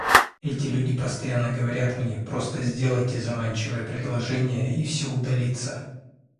Эти люди постоянно говорят мне: «Просто сделайте заманчивое предложение, и все удалится».